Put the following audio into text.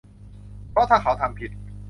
เพราะถ้าเขาทำผิด